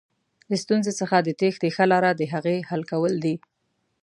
د ستونزې څخه د تېښتې ښه لاره دهغې حل کول دي.